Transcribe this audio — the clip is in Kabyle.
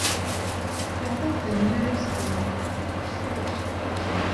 Qeɛd-aɣ-d annar i zzedwa.